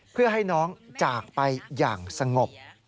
เพื่อให้น้องจากไปอย่างสงบ